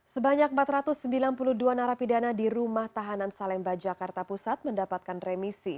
sebanyak empat ratus sembilan puluh dua narapidana di rumah tahanan salemba jakarta pusat mendapatkan remisi